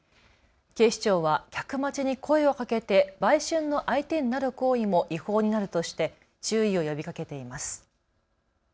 警視庁は客待ちに声をかけて売春の相手になる行為も違法になるとして注意を呼びかけています。